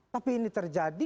tapi ini terjadi